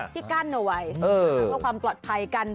ที่กั้นเอาไว้เพื่อความปลอดภัยกัน